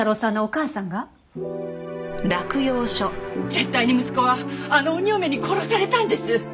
絶対に息子はあの鬼嫁に殺されたんです！